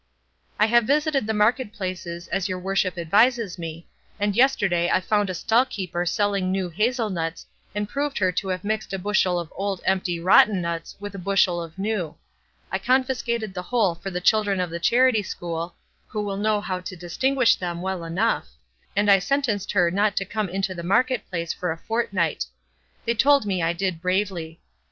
I have visited the market places, as your worship advises me, and yesterday I found a stall keeper selling new hazel nuts and proved her to have mixed a bushel of old empty rotten nuts with a bushel of new; I confiscated the whole for the children of the charity school, who will know how to distinguish them well enough, and I sentenced her not to come into the market place for a fortnight; they told me I did bravely.